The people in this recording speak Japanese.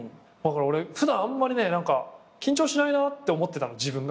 普段あんまりね緊張しないなって思ってたの自分が。